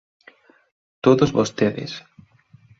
Todos vostedes.